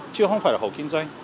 chứ không phải là hộ kinh doanh